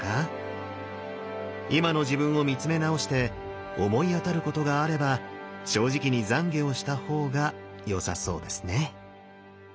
今の自分を見つめ直して思い当たることがあれば正直に懺悔をした方がよさそうですね。